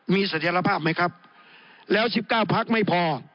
มีศักยภาพไหมครับแล้ว๑๙พักไม่พอ